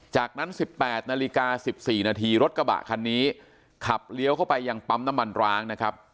จากนั้น๑๘นาฬิกา๑๔นาทีรถกระบะคันนี้ขับเลี้ยวเข้าไปยังปั๊มน้ำมันร้างนะครับ